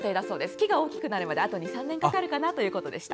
木が大きくなるまであと２３年かかるかなということでした。